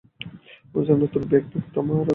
ওরে ছ্যামরা তোর ভ্যাগ, ভ্যাগ থামা আর জালাইসনা মোরে।